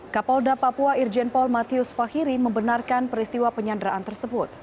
kapolda papua irjen paul matthius fahiri membenarkan peristiwa penyandraan tersebut